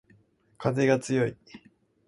かぜがつよい